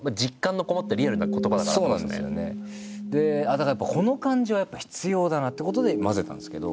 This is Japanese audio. だからこの感じはやっぱ必要だなってことで混ぜたんですけど。